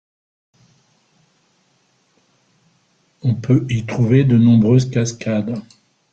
On peut y trouver de nombreuses cascades.